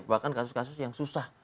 bahkan kasus kasus yang susah